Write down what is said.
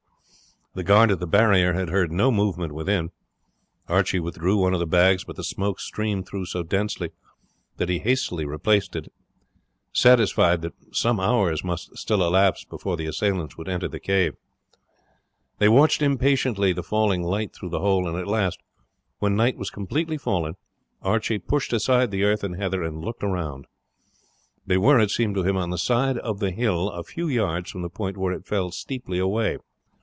The guard at the barrier had heard no movement within. Archie withdrew one of the bags; but the smoke streamed through so densely that he hastily replaced it, satisfied that some hours must still elapse before the assailants would enter the cave. They watched impatiently the failing light through the hole, and at last, when night was completely fallen, Archie pushed aside the earth and heather, and looked around. They were, it seemed to him, on the side of the hill a few yards from the point where it fell steeply away.